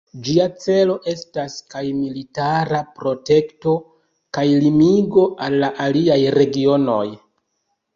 Ĝia celo estas kaj militara protekto, kaj limigo al la aliaj regionoj.